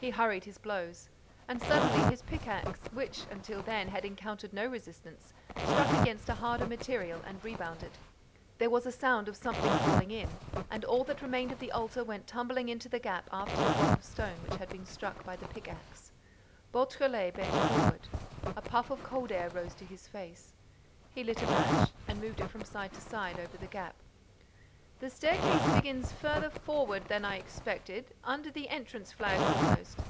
He hurried his blows. And, suddenly, his pickaxe, which, until then, had encountered no resistance, struck against a harder material and rebounded. There was a sound of something falling in; and all that remained of the altar went tumbling into the gap after the block of stone which had been struck by the pickaxe. Beautrelet bent forward. A puff of cold air rose to his face. He lit a match and moved it from side to side over the gap: "The staircase begins farther forward than I expected, under the entrance flags, almost.